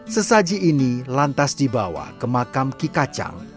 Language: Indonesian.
sesaji ini lantas dibawa ke makam kikacang